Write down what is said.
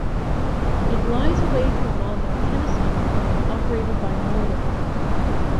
It lies away from on the Penistone Line operated by Northern.